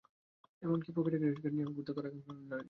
এমনকি পকেটে credit card নিয়ে ঘুরতেও তারা এখন যেন রাজি নয়।